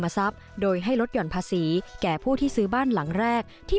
ทรัพย์โดยให้ลดหย่อนภาษีแก่ผู้ที่ซื้อบ้านหลังแรกที่